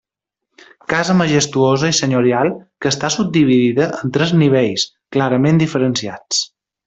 Casa majestuosa i senyorial que està subdividida en tres nivells clarament diferenciats.